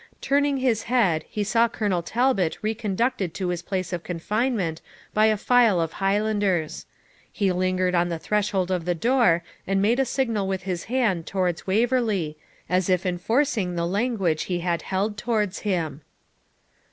Turning his head, he saw Colonel Talbot reconducted to his place of confinement by a file of Highlanders; he lingered on the threshold of the door and made a signal with his hand towards Waverley, as if enforcing the language he had held towards him.